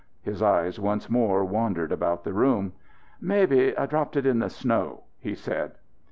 His eyes once more wandered about the room. "Mebbe I dropped it in the snow," he said.